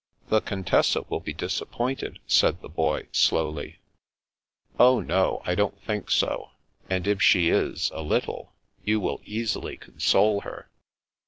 " The Contessa will be disappointed," said the Boy slowly. " Oh no, I don't think so ; and if she is, a little, you will easily console her."